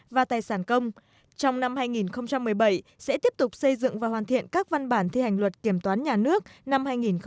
và tài sản công trong năm hai nghìn một mươi bảy sẽ tiếp tục xây dựng và hoàn thiện các văn bản thi hành luật kiểm toán nhà nước năm hai nghìn một mươi tám